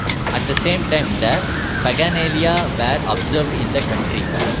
At the same time the Paganalia were observed in the country.